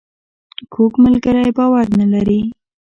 کوږ ملګری باور نه لري